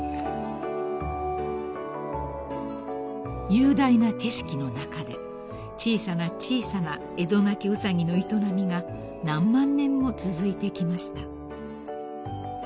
［雄大な景色の中で小さな小さなエゾナキウサギの営みが何万年も続いてきました］